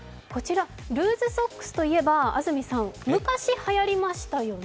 ルーズソックスといえば、昔はやりましたよね？